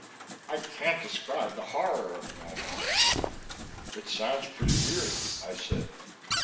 I can't describe the horror of the moment " "It sounds pretty weird," I said.